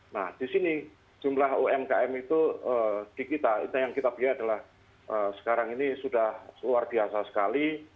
nah di sini jumlah umkm itu di kita yang kita biaya adalah sekarang ini sudah luar biasa sekali